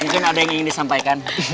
mungkin ada yang ingin disampaikan